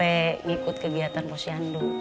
mengikut kegiatan pos cihandu